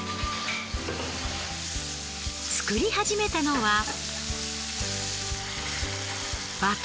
作り始めたのは。